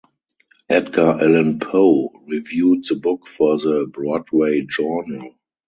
Edgar Allan Poe reviewed the book for the "Broadway Journal".